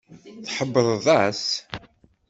Tḥebbreḍ-as?